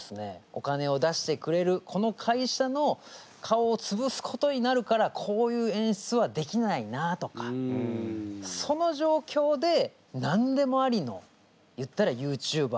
お金を出してくれるこの会社の顔をつぶすことになるからこういう演出はできないなとかその状況で何でもありの言ったらユーチューバーさん